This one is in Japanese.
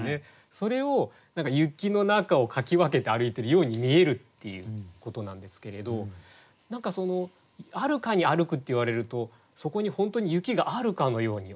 それを雪の中をかき分けて歩いているように見えるっていうことなんですけれど何かその「あるかに歩く」って言われるとそこに本当に雪があるかのように思える。